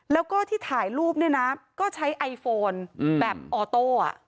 แล้วก็ที่ถ่ายรูปเนี่ยนะก็ใช้ไอโฟนแบบออโต้